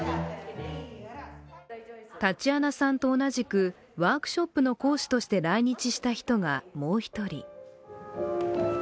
タチアナさんと同じく、ワークショップの講師として来日した１人が、もう１人。